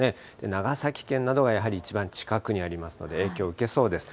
長崎県などがやはり一番近くにありますので、影響を受けそうです。